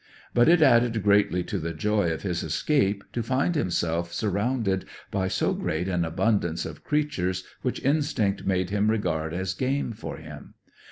But it added greatly to the joy of his escape to find himself surrounded by so great an abundance of creatures which instinct made him regard as game for him.